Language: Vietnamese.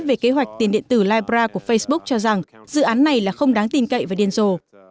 về kế hoạch tiền điện tử libra của facebook cho rằng dự án này là không đáng tin cậy và điên rồ